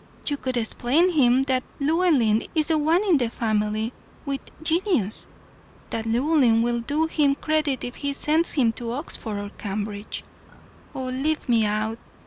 You could explain to him that Llewellyn is the one in the family with genius; that Llewellyn will do him credit if he sends him to Oxford or Cambridge. Oh, leave me out!